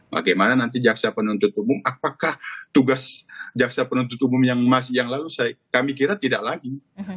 bagaimana nanti jaksa penuntut umum apakah tugas jaksa penuntut umum yang masih yang lalu kami kira tidak lagi